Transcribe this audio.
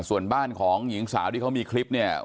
ส่วนบ้านของหญิงสาวที่เขามีคลิปเนี่ย